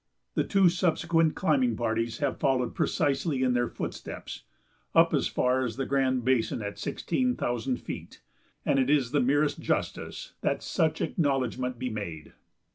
The two subsequent climbing parties have followed precisely in their footsteps up as far as the Grand Basin at sixteen thousand feet, and it is the merest justice that such acknowledgment be made.